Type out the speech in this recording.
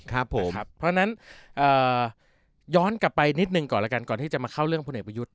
เพราะฉะนั้นย้อนกลับไปนิดนึงก่อนก่อนที่จะมาเข้าเรื่องผู้เด็กประยุทธ์